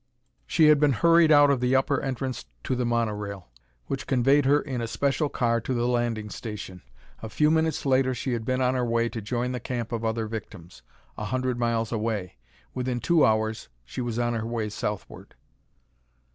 She had been hurried out of the upper entrance to the monorail, which conveyed her in a special car to the landing station. A few minutes later she had been on her way to join the camp of other victims, a hundred miles away. Within two hours she was on her way southward.